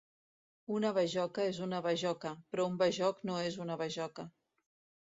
Una bajoca és una bajoca, però un bajoc no és una bajoca.